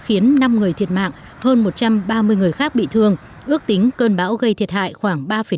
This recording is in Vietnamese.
khiến năm người thiệt mạng hơn một trăm ba mươi người khác bị thương ước tính cơn bão gây thiệt hại khoảng ba năm